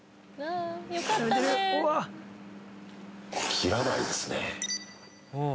切らないですね